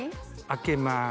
開けます